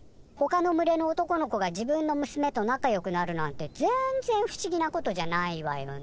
ほかの群れの男の子が自分の娘と仲よくなるなんてぜんぜん不思議なことじゃないわよ。